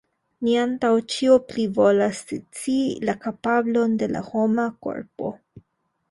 Ni antaŭ ĉio plivolas scii la kapablon de la homa korpo.